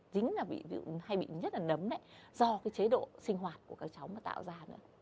dính là hay bị rất là nấm do chế độ sinh hoạt của các cháu mà tạo ra